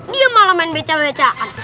dia malah main beca becaan